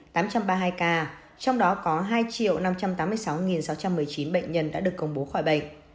trong đó có hai năm trăm tám mươi sáu sáu trăm một mươi chín bệnh nhân đã được công bố khỏi bệnh